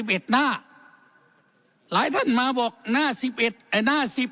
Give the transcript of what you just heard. หน้าหลายท่านมาบอกหน้าสิบเอ็ดไอ้หน้าสิบ